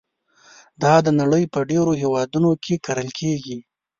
دا د نړۍ په ډېرو هېوادونو کې کرل کېږي.